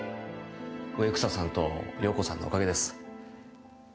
植草さんと洋子さんのおかげです